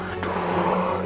mama pergi dulu ya